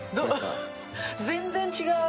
全然違う。